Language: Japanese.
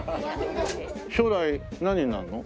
将来何になるの？